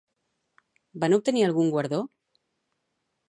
Van obtenir algun guardó?